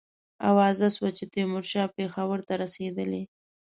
آوازه سوه چې تیمورشاه پېښور ته رسېدلی.